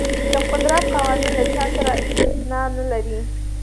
د قدرت قوانین له چا سره استثنا نه لري.